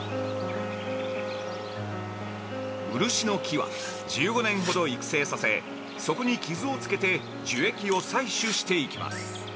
漆の木は１５年ほど育成させそこに傷をつけて樹液を採取していきます。